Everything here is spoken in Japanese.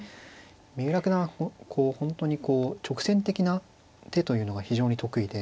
三浦九段は本当にこう直線的な手というのが非常に得意で。